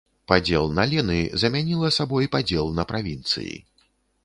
Падзел на лены замяніла сабой падзел на правінцыі.